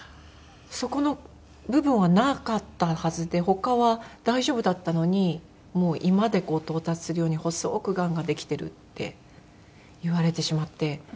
そこの部分はなかったはずで他は大丈夫だったのにもう胃まで到達するように細くがんができてるって言われてしまって。